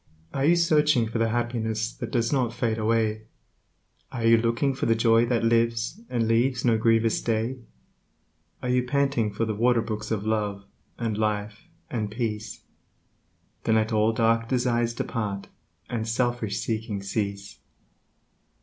Are you searching for the happiness that does not fade away? Are you looking for the joy that lives, and leaves no grievous day? Are you panting for the waterbrooks of Love, and Life, and Peace? Then let all dark desires depart, and selfish seeking cease.